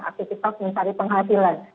aktifitas mencari penghasilan